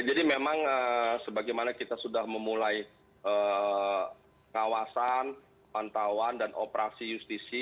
jadi memang sebagaimana kita sudah memulai kawasan pantauan dan operasi justisi